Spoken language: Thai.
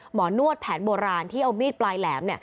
หมอนวดแผนโบราณที่เอามีดปลายแหลม